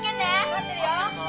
待ってるぞ。